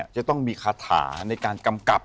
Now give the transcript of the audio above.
จะต้องมีคาถาในการกำกับ